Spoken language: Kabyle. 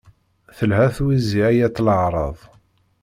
Telha twizi ay at leεraḍ.